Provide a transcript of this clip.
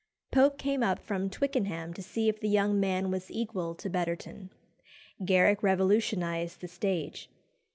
Pope came up from Twickenham to see if the young man was equal to Betterton. Garrick revolutionised the stage.